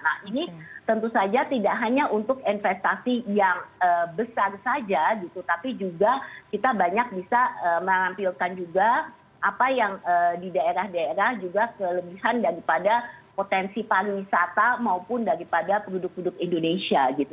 nah ini tentu saja tidak hanya untuk investasi yang besar saja gitu tapi juga kita banyak bisa menampilkan juga apa yang di daerah daerah juga kelebihan daripada potensi pariwisata maupun daripada penduduk hidup indonesia gitu